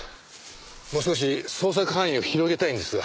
もう少し捜索範囲を広げたいんですが。